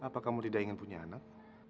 apakah kamu tidak ingin punya anak